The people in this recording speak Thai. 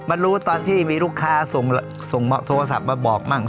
รู้ตอนที่มีลูกค้าส่งโทรศัพท์มาบอกมั่ง